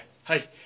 はい。